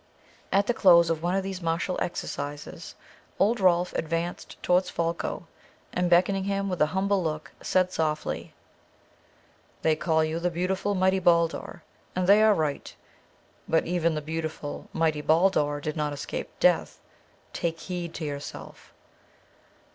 At the close of one of these martial exercises, old Rolf advanced towards Folko, and beckoning him with an humble look, said softly, "They call you the beautiful mighty Baldur, and they are right. But even the beautiful mighty Baldur did not escape death. Take heed to yourself."